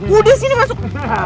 udah sini masuk